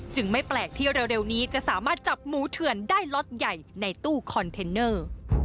ไม่แปลกที่เร็วนี้จะสามารถจับหมูเถื่อนได้ล็อตใหญ่ในตู้คอนเทนเนอร์